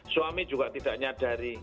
suami juga tidak nyadari